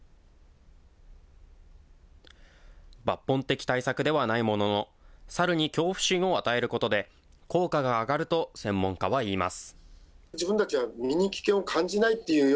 抜本的対策ではないものの、サルに恐怖心を与えることで、効果が上がると専門家は言います。